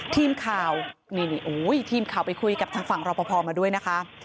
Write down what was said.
ทีมข่าวนี่ทีมข่าวไปคุยกับทางฝั่งรอปภมาด้วยนะคะ